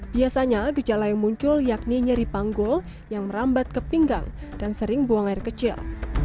biasanya gejala yang muncul yakni nyeri panggul yang merambat ke pinggang dan sering buang air kecil